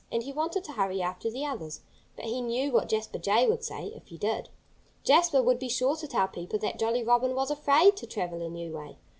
And he wanted to hurry after the others. But he knew what Jasper Jay would say, if he did. Jasper would be sure to tell people that Jolly Robin was afraid to travel a new way....